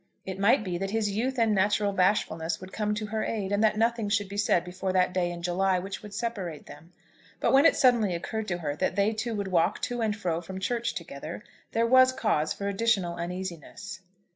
It might be that his youth and natural bashfulness would come to her aid, and that nothing should be said before that day in July which would separate them. But when it suddenly occurred to her that they two would walk to and fro from church together, there was cause for additional uneasiness.